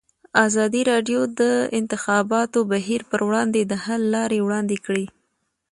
ازادي راډیو د د انتخاباتو بهیر پر وړاندې د حل لارې وړاندې کړي.